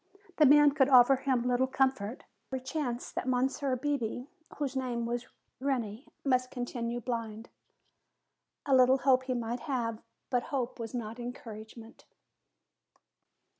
The man could offer him little comfort. There was every chance that Monsieur Bebé, whose name was Reney, must continue blind. A little hope he might have, but hope was not encouragement.